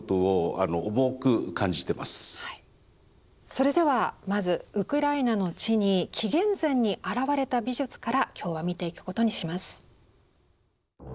それではまずウクライナの地に紀元前に現れた美術から今日は見ていくことにします。